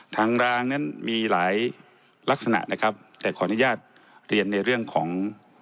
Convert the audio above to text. ทางรางนั้นมีหลายลักษณะนะครับแต่ขออนุญาตเรียนในเรื่องของ